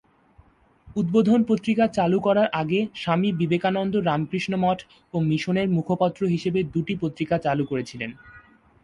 উদ্বোধন পত্রিকা চালু করার আগে স্বামী বিবেকানন্দ রামকৃষ্ণ মঠ ও মিশনের মুখপত্র হিসেবে দুটি পত্রিকা চালু করেছিলেন।